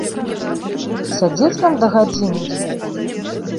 Сядзець нам да гадзіны-дзвюх?